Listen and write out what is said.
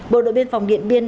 bộ đội biên phòng điện biên